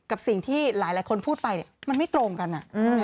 กับสิ่งที่หลายคนพูดไปมันไม่ตรงกัน